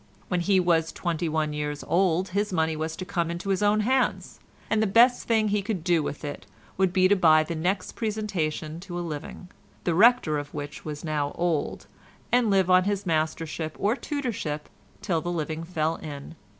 When he was twenty one years old his money was to come into his own hands, and the best thing he could do with it would be to buy the next presentation to a living, the rector of which was now old, and live on his mastership or tutorship till the living fell in.